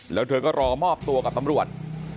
แล้วเธอก็รอมอบตัวกับตำรวจ